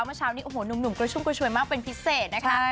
เมื่อเช้านี้หนุ่มก็ชุมก็ชวยมากเป็นพิเศษนะคะ